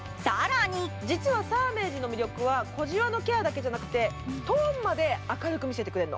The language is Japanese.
実はサーメージの魅力は小じわのケアだけじゃなくてトーンまで明るく見せてくれるの。